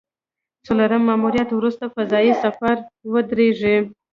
څلورم ماموریت وروسته فضايي سفر ودرېږي